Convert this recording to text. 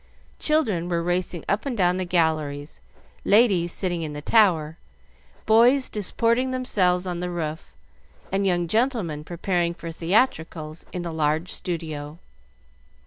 Children were racing up and down the galleries, ladies sitting in the tower, boys disporting themselves on the roof, and young gentlemen preparing for theatricals in the large studio.